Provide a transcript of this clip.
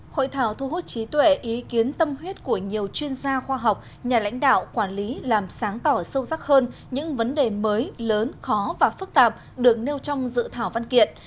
hội thảo thu hút trí tuệ ý kiến tâm huyết của nhiều chuyên gia khoa học nhà lãnh đạo quản lý làm sáng tỏ sâu sắc hơn những vấn đề mới lớn khó và phức tạp được nêu trong dự thảo văn kiện